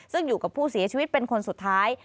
ซึ่งอยู่กับผู้เสียชีวิตเป็นคนสุดท้าย